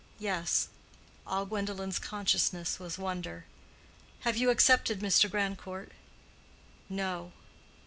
"Yes." All Gwendolen's consciousness was wonder. "Have you accepted Mr. Grandcourt?" "No."